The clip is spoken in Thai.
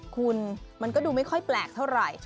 คุณมันก็ดูไม่ค่อยแปลกเท่าไหร่